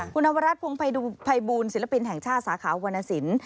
คุณนวรัฐพงภัยบูลศิลปินแห่งชาติสาขาวรรณสิน